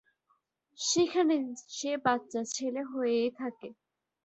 সেখানে সে বাচ্চা ছেলে হয়েই থাকে।